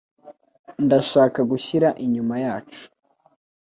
Ndashaka gushyira inyuma yacu.